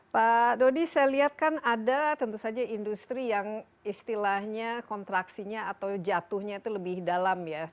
pak dodi saya lihat kan ada tentu saja industri yang istilahnya kontraksinya atau jatuhnya itu lebih dalam ya